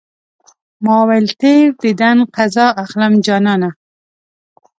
ما ويل تېر ديدن قضا اخلم جانانه